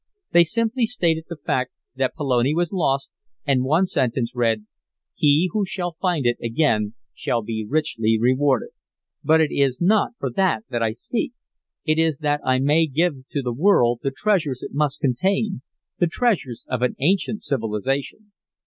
They simply stated the fact that Pelone was lost, and one sentence read: 'He who shall find it again shall be richly rewarded.' But it is not for that that I seek. It is that I may give to the world the treasures it must contain the treasures of an ancient civilization."